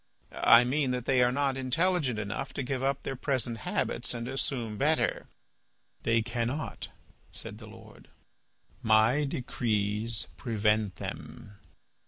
I mean that they are not intelligent enough to give up their present habits and assume better." "They cannot," said the Lord; "my decrees prevent them."